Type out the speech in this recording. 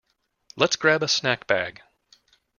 Let’s grab a snack bag.